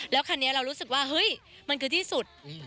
คันนี้เรารู้สึกว่าเฮ้ยมันคือที่สุด